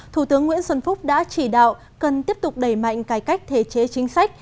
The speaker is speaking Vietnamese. thủ tướng nguyễn xuân phúc đã chỉ đạo cần tiếp tục đẩy mạnh cải cách thể chế chính sách